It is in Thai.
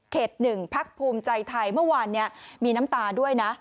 ๑พักภูมิใจไทยเมื่อวานมีน้ำตาด้วยนะ